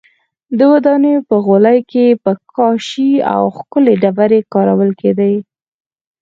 د ودانیو په غولي کې به کاشي او ښکلې ډبرې کارول کېدې